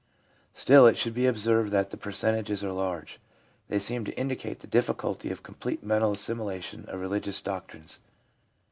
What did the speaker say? Still, it should be observed that the per centages are large. They seem to indicate the difficulty of complete mental assimilation of religious doctrines.